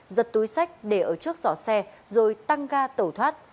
giật túi sách để ở trước giỏ xe rồi tăng ga tẩu thoát